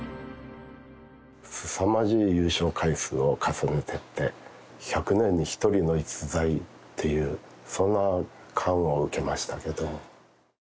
すさまじい優勝回数を重ねてって、１００年に１人の逸材っていう、その感を受けましたけど。